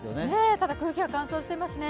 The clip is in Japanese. ただ空気は乾燥してますね。